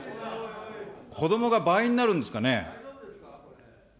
子どもが倍になるんですかね。